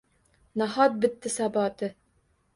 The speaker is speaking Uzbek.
Nahot, bitdi saboti?